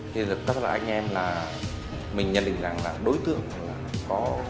thì thực tất là anh em là mình nhận định rằng là đối tượng có một đối tượng nghi vấn xuất hiện ở địa bàn đó